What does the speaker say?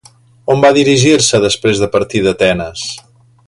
On va dirigir-se després de partir d'Atenes?